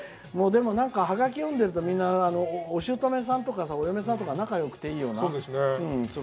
でもハガキ読んでるとみんなおしゅうとめさんとかお嫁さんとか仲がよくていいよな。